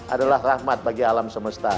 adalah rahmat bagi alam semesta